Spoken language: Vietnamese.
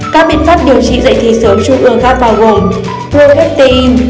các biện pháp điều trị dạy thi sớm trung ương khác bao gồm progestin